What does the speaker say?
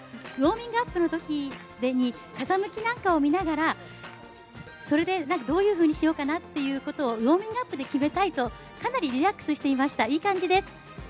ウォーミングアップのときに風向きなんかを見ながらそれでどういうふうにしようかなと決めたいとかなりリラックスしていました、いい感じです。